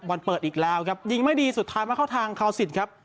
เปิดอีกแล้วครับยิงไม่ดีสุดท้ายมาเข้าทางคาวสินครับ